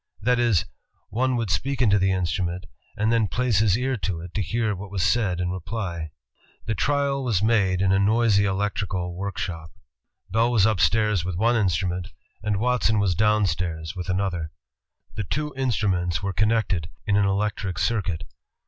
That is, one would speak into the instrument and then place his ear to it to hear what was said in reply. The trial was made in a noisy electrical workshop. 242 INVENTIONS OF PRINTING AND COMMUNICATION Bell was upstairs with one instrument, and Watson was downstairs with another; the two mstruments were con nected in an electric circuit.